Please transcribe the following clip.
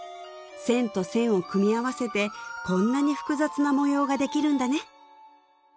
線と線を組み合わせてこんなに複雑な模様ができるんだね